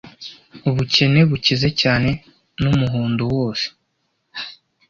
ubukene bukize cyane n'umuhondo wose